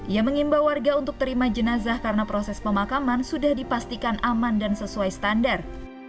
ia mengimbau warga untuk terima jenazah karena proses pemakaman sudah dipastikan aman dan sesuai standar